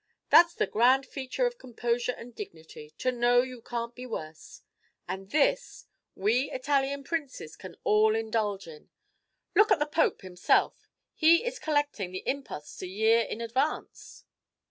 "That's the grand feature of composure and dignity, to know you can't be worse! and this, we Italian princes can all indulge in. Look at the Pope himself, he is collecting the imposts a year in advance!"